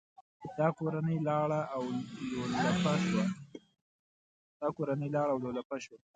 دا کورنۍ لاړه او لولپه شوه.